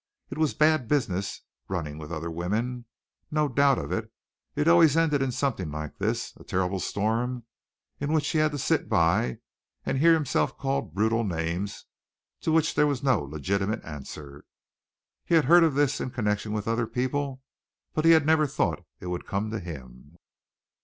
It was bad business running with other women no doubt of it. It always ended in something like this a terrible storm in which he had to sit by and hear himself called brutal names to which there was no legitimate answer. He had heard of this in connection with other people, but he had never thought it would come to him.